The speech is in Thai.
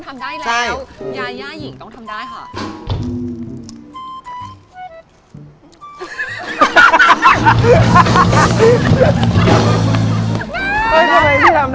ใช่เพราะทุกคนทำได้แล้ว